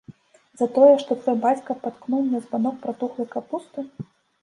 За тое, што твой бацька паткнуў мне збанок пратухлай капусты?